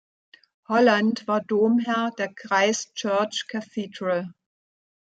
Holland war Domherr der Christ Church Cathedral.